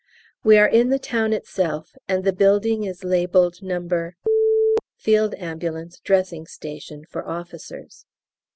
We are in the town itself, and the building is labelled No. F.A. Dressing Station for Officers.